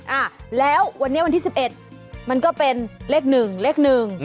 อ่าแล้ววันนี้วันที่สิบเอ็ดมันก็เป็นเลขหนึ่งเลขหนึ่ง